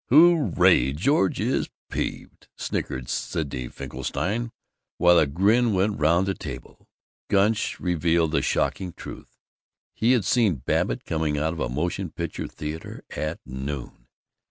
"Hurray! George is peeved!" snickered Sidney Finkelstein, while a grin went round the table. Gunch revealed the shocking truth: He had seen Babbitt coming out of a motion picture theater at noon!